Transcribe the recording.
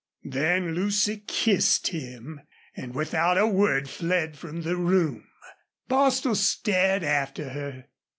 Then Lucy kissed him and without a word fled from the room. Bostil stared after her.